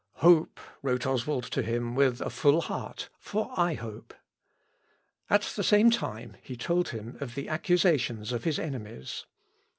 "Hope," wrote Oswald to him with a full heart, "for I hope." At the same time he told him of the accusations of his enemies.